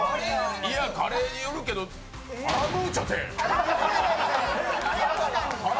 いや、カレーによるけどカラムーチョて！